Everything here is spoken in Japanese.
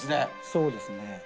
そうですね。